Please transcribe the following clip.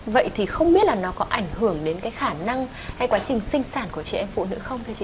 vậy thì không biết là nó có ảnh hưởng đến cái khả năng hay quá trình sinh sản của trẻ em phụ nữ không thế chị